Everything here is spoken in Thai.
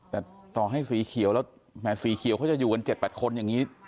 แต่ต่อให้สีเขียวแล้วแหมสีเขียวเขาจะอยู่กัน๗๘คนอย่างนี้